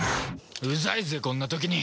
うざいぜこんな時に！